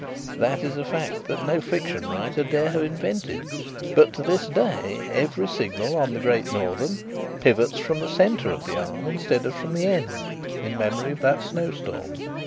That is a fact that no fiction writer dare have invented, but to this day every signal on the Great Northern pivots from the centre of the arm instead of from the end, in memory of that snowstorm."